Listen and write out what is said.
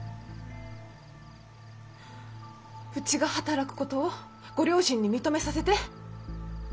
うちが働くことをご両親に認めさせて。